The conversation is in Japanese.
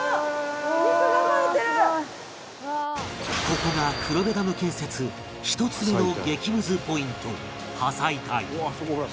ここが黒部ダム建設１つ目の激ムズポイント破砕帯